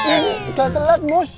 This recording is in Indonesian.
eh udah telat mus